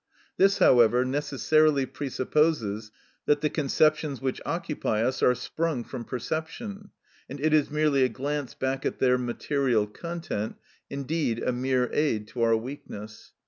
This, however, necessarily presupposes that the conceptions which occupy us are sprung from perception, and it is merely a glance back at their material content, indeed a mere aid to our weakness.